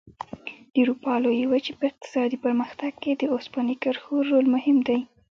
د اروپا لویې وچې په اقتصادي پرمختګ کې د اوسپنې کرښو رول مهم دی.